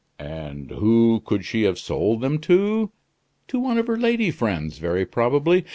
And who could she have sold them to? To one of her lady friends, very probably.